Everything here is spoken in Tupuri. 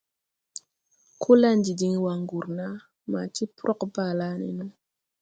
Kolandi din wan gurna ma ti prog Balané no.